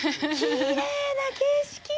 きれいな景色！